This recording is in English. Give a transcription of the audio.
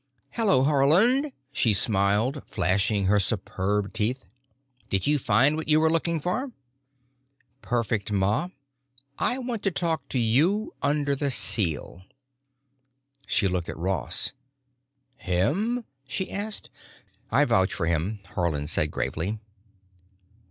"Hello, Haarland," she smiled, flashing her superb teeth. "Did you find what you were looking for?" "Perfect, Ma. I want to talk to you under the seal." She looked at Ross. "Him?" she asked. "I vouch for him," Haarland said gravely.